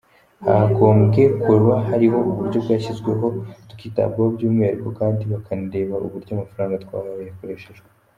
Hagombye kuba hariho uburyo bwashyizweho tukitabwaho by’umwihariko, kandi bakanareba uburyo amafaranga twahawe yakoreshejwe.